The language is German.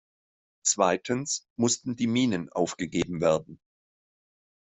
Zweitens mussten die Minen aufgegeben werden.